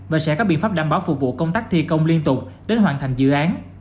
và sẽ có biện pháp đảm bảo phục vụ công tác thi công liên tục để hoàn thành dự án